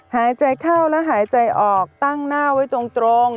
หายใจเข้าและหายใจออกตั้งหน้าไว้ตรง